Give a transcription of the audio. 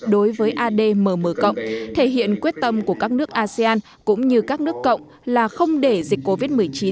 đối với admm thể hiện quyết tâm của các nước asean cũng như các nước cộng là không để dịch covid một mươi chín